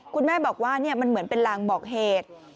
คุณแม่บอกว่ามันเหมือนเป็นลางบอกเหตุ